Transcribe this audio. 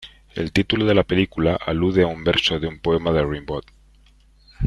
El título de la película alude a un verso de un poema de Rimbaud.